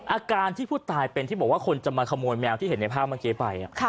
อาการที่ผู้ตายเป็นที่บอกว่าคนจะมาขโมยแมวที่เห็นในภาพเมื่อกี้ไป